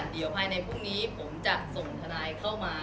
เดี๋ยวภายในพรุ่งนี้ผมจะส่งทนายเข้ามา